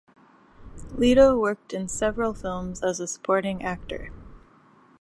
Lito worked in several films as a supporting actor.